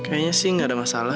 kayaknya sih nggak ada masalah